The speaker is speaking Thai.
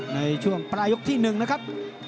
ในช่วงปลายกลุ่มที่หนึ่งนะครับ